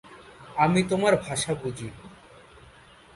আমি তোমার ভাষা বুঝি।